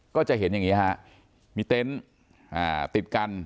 ก็จะเห็นอย่างนี้ฮะมีเต็นต์ติดกัน